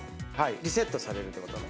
リセットされるってことね。